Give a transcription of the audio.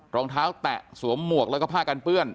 รองเท้าแตะสวมหมวกแล้วก็ผ้ากันเปื้อน